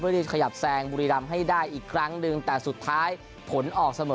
ที่ขยับแซงบุรีรำให้ได้อีกครั้งหนึ่งแต่สุดท้ายผลออกเสมอ